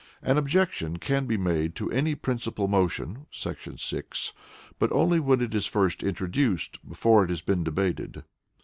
An objection can be made to any principal motion [§ 6], but only when it is first introduced, before it has been debated.